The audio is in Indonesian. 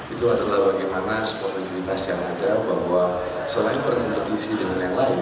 itu adalah bagaimana sportivitas yang ada bahwa selain berkompetisi dengan yang lain